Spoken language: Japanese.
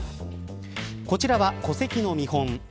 こちらは戸籍の見本。